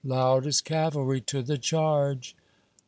'Loud as cavalry to the charge!'